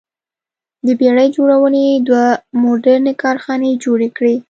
د بېړۍ جوړونې دوه موډرنې کارخانې جوړې کړې.